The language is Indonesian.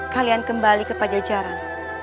kalian kembali kepada jalan